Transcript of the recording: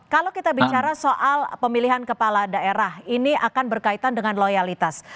kalau kita bicara soal pemilihan kepala daerah ini akan berkaitan dengan loyalitas